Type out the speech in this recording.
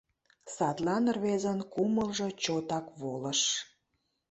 Садлан рвезын кумылжо чотак волыш.